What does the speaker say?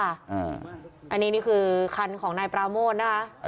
อันนี้นี่คือคันของนายปราโมทนะคะ